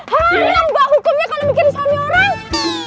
haram mbak hukumnya kalo mikirin suami orang